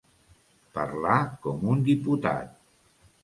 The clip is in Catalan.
Parlar com un diputat.